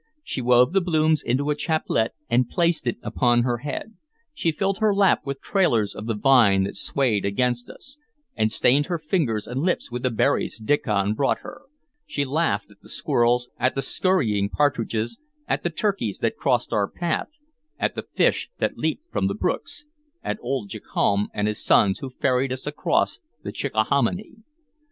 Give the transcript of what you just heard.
She wove the blooms into a chaplet, and placed it upon her head; she filled her lap with trailers of the vine that swayed against us, and stained her fingers and lips with the berries Diccon brought her; she laughed at the squirrels, at the scurrying partridges, at the turkeys that crossed our path, at the fish that leaped from the brooks, at old Jocomb and his sons who ferried us across the Chickahominy.